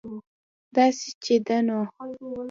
داسې چې ده نو